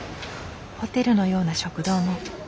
ホテルのような食堂も。